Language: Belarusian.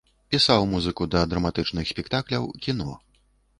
Пісаў музыку да драматычных спектакляў, кіно.